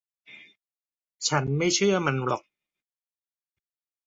ฉันไม่เชื่อมันหรอก